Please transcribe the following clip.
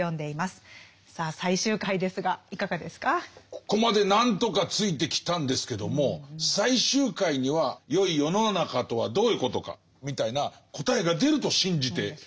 ここまで何とかついてきたんですけども最終回にはよい世の中とはどういうことかみたいな答えが出ると信じて来ていますが。